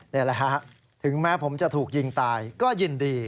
นี่แหละฮะถึงแม้ผมจะถูกยิงตายก็ยินดี